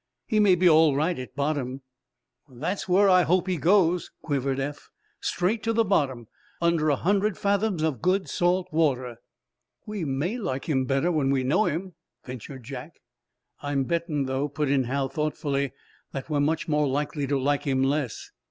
He may be all right at bottom." "Then that's where I hope he goes," quivered Eph. "Straight to the bottom! Under a hundred fathoms of good salt water!" "We may like him better when we know him," ventured Jack. "I'm betting though," put in Hal, thoughtfully, "that we're much more likely to like him less."